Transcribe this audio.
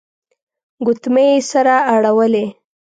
ګوتمۍ يې سره اړولې.